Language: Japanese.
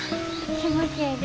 気持ちいいな。